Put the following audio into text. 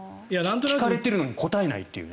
聞かれているのに答えないというね。